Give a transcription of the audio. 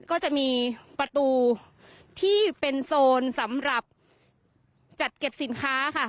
ก็จะมีประตูที่เป็นโซนสำหรับจัดเก็บสินค้าค่ะ